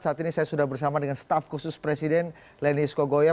saat ini saya sudah bersama dengan staff khusus presiden lenis kogoya